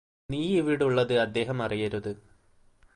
നീയിവിടുള്ളത് അദ്ദേഹം അറിയരുത്